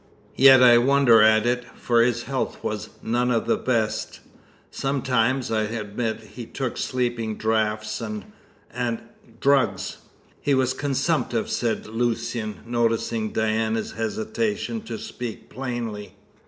"Yet I wonder at it, for his health was none of the best. Sometimes, I admit, he took sleeping draughts and and drugs." "He was consumptive," said Lucian, noticing Diana's hesitation to speak plainly.